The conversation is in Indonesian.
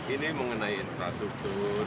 ini mengenai infrastruktur